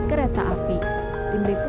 ketika penumpang menunggu